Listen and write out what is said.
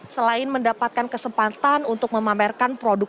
selain mendapatkan kesempatan untuk memamerkan produk